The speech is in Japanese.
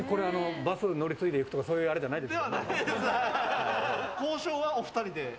バスで乗り継いで行くとかそういうのじゃないですよね。